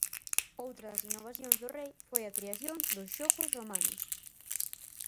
Outra das innovacións do rei foi a creación dos Xogos Romanos.